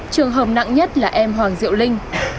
trường hợp nặng nhất là em hoàng diệu linh